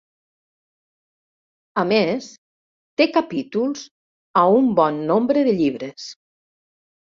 A més, té capítols a un bon nombre de llibres.